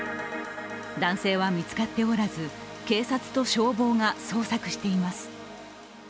男性は見つかっておらず警察と消防が捜索しています。